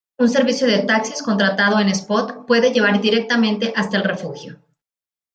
Un servicio de taxis contratado en Espot puede llevar directamente hasta el refugio.